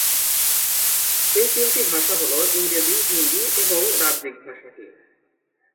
এই তিনটি ভাষা হল ইংরাজী, হিন্দী এবং রাজ্যিক ভাষাটি।